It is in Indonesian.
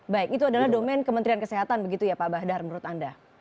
baik itu adalah domen kementerian kesehatan begitu ya pak bahdar menurut anda